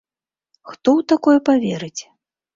Хто ў такое паверыць?